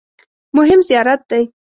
مهم زیارت دی.